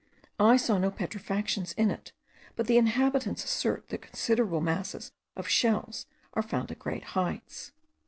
I saw no petrifactions in it; but the inhabitants assert that considerable masses of shells are found at great heights.